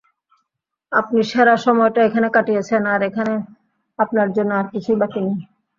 আপনি সেরা সময়টা এখানে কাটিয়েছেন, আর এখানে আপনার জন্য আর কিছুই বাকি নেই।